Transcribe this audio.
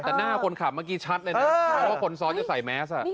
แต่หน้าคนขับเมื่อกี้ชัดเลยนะว่าคนซ้อนจะใส่แมส